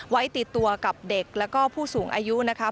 ไว้ติดตัวกับเด็กแล้วก็ผู้สูงอายุนะคะ